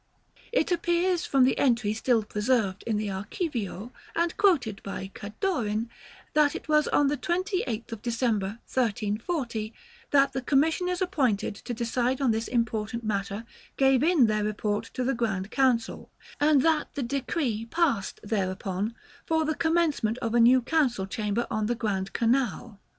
It appears from the entry still preserved in the Archivio, and quoted by Cadorin, that it was on the 28th of December, 1340, that the commissioners appointed to decide on this important matter gave in their report to the Grand Council, and that the decree passed thereupon for the commencement of a new Council Chamber on the Grand Canal.